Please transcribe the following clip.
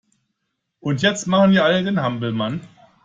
Und jetzt machen wir alle den Hampelmann!